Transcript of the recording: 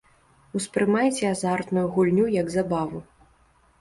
Успрымайце азартную гульню як забаву.